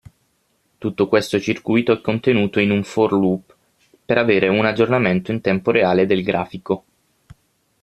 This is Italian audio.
Tutto questo circuito è contenuto in un For Loop per avere un aggiornamento in tempo reale del grafico.